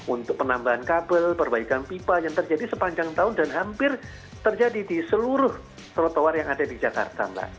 untuk penambahan kabel perbaikan pipa yang terjadi sepanjang tahun dan hampir terjadi di seluruh trotoar yang ada di jakarta mbak